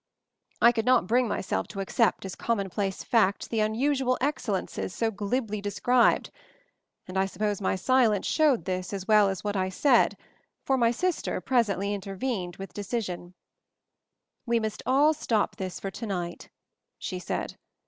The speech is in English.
I could not bring myself to accept as commonplace facts the unusual excellences so glibly described, and I suppose my si lence showed this as well as what I said, for my sister presently intervened with de cision : "We must all stop this for to night," she said.